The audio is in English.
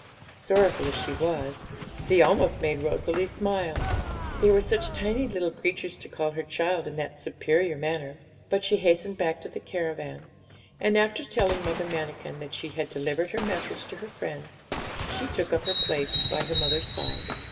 Sorrowful as she was, they almost made Rosalie smile, they were such tiny little creatures to call her 'child' in that superior manner. But she hastened back to the caravan, and after telling Mother Manikin that she had delivered her message to her friends, she took up her place by her mother's side.